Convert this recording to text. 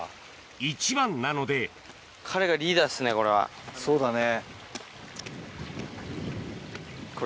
一番なのでそうだね。